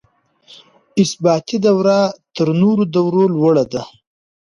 اثباتي دوره تر نورو دورو لوړه ده.